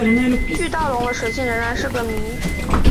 巨盗龙的食性仍然是个谜。